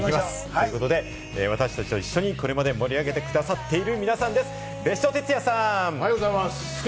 ということで私達とこれまで盛り上げてくださっている皆さんです。